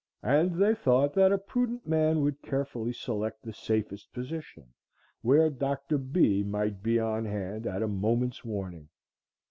—and they thought that a prudent man would carefully select the safest position, where Dr. B. might be on hand at a moment's warning.